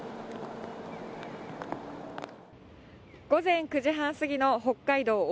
午前９時半過ぎの北海道帯